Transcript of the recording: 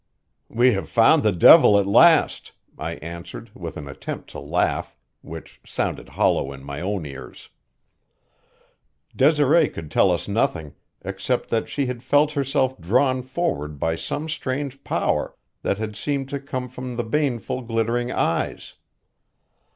"We have found the devil at last," I answered, with an attempt to laugh, which sounded hollow in my own ears. Desiree could tell us nothing, except that she had felt herself drawn forward by some strange power that had seemed to come from the baneful, glittering eyes.